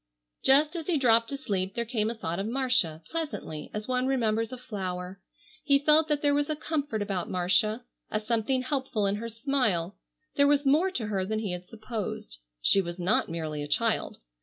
Just as he dropped to sleep there came a thought of Marcia, pleasantly, as one remembers a flower. He felt that there was a comfort about Marcia, a something helpful in her smile. There was more to her than he had supposed. She was not merely a child.